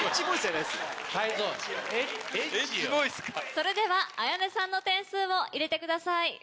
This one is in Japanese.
それではＡＹＡＮＥさんの点数を入れてください。